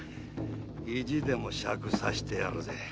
意地でも酌させてやるぜ！